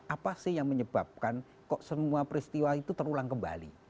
apa sih yang menyebabkan kok semua peristiwa itu terulang kembali